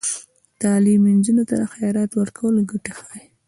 تعلیم نجونو ته د خیرات ورکولو ګټې ښيي.